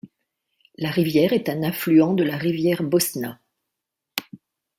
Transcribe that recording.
La rivière est un affluent de la rivière Bosna.